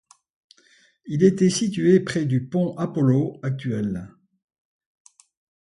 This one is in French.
Il était situé près du pont Apollo actuel.